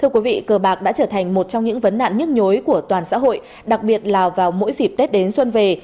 cơ bạc đã trở thành một trong những vấn nạn nhất nhối của toàn xã hội đặc biệt là vào mỗi dịp tết đến xuân về